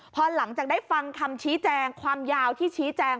พอหลังจากได้ฟังคำชี้แจงความยาวที่ชี้แจง